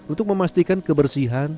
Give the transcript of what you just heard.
untuk memastikan kebersihan